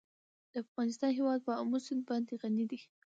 د افغانستان هیواد په آمو سیند باندې غني دی.